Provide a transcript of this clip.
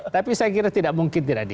tapi saya kira tidak mungkin tidak di